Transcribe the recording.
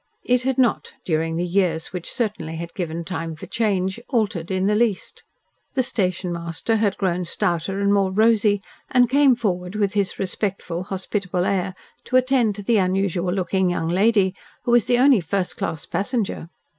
It had not, during the years which certainly had given time for change, altered in the least. The station master had grown stouter and more rosy, and came forward with his respectful, hospitable air, to attend to the unusual looking young lady, who was the only first class passenger.